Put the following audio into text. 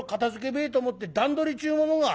べえと思って段取りちゅうものがある。